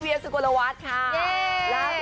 พี่เบียนสุกวรวัฒค่ะ